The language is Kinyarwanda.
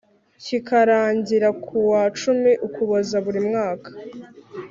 kikarangira kuwa cumi ukuboza buri mwaka